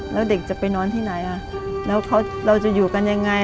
แล้วเด็กจะไปนอนที่ไหนแล้วเราจะอยู่กันยังไง